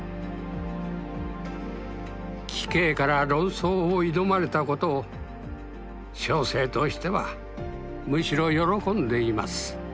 「貴兄から論争を挑まれたことを小生としてはむしろ喜んでいます」。